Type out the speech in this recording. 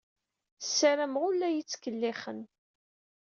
Ssarameɣ ur la iyi-ttkellixen.